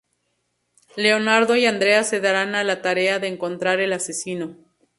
Leonardo y Andrea se darán a la tarea de encontrar al asesino.